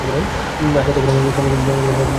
আশা তখন স্বামীর কাছে বড়ো অপ্রতিভ হইল।